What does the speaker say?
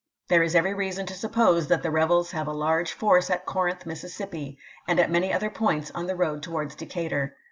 There is every Grant to reason to suppose that the rebels have a large force March 19, at Corinth, Mississippi, and at many other points on voi. x., ' the road towards Decatur."